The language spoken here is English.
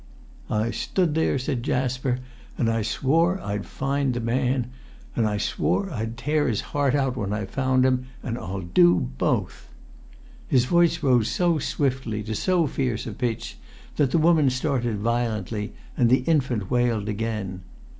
"I stood there," said Jasper, "and I swore I'd find the man. And I swore I'd tear his heart out when I've found him. And I'll do both!" His voice rose so swiftly to so fierce a pitch that the woman started violently, and the infant wailed again.